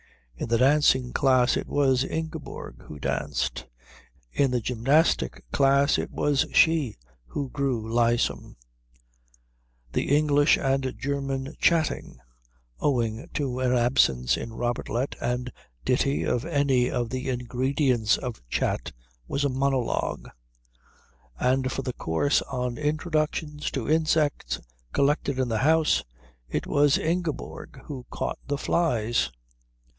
In the dancing class it was Ingeborg who danced. In the gymnastic class it was she who grew lissom. The English and German Chatting, owing to an absence in Robertlet and Ditti of any of the ingredients of chat, was a monologue; and for the course on Introductions to Insects Collected in the House it was Ingeborg who caught the flies.